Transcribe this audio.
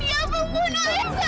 ayah pembunuh ayah saya